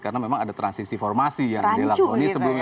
karena memang ada transisi formasi yang dilakoni sebelumnya